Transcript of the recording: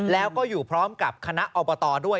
แล้วก็อยู่พร้อมกับคณะอบตด้วย